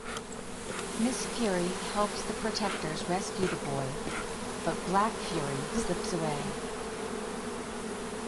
Miss Fury helps the Protectors rescue the boy, but Black Fury slips away.